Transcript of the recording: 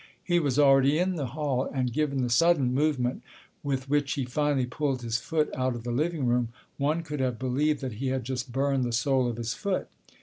He was already in the hall, and given the sudden movement with which he finally pulled his foot out of the living room, one could have believed that he had just burned the sole of his foot.